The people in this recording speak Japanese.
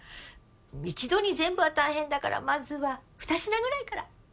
一度に全部は大変だからまずは２品ぐらいから。